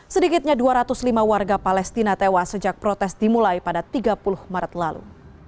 sedikitnya dua ratus lima warga palestina tewas sejak protes dimulai pada tiga puluh maret lalu